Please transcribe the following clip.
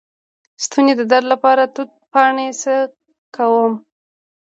د ستوني درد لپاره د توت پاڼې څه کړم؟